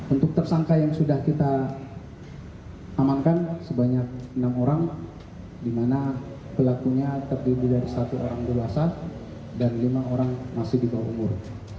untuk tersangka yang sudah kita amankan sebanyak enam orang di mana pelakunya terdiri dari satu orang dewasa dan lima orang masih di bawah umur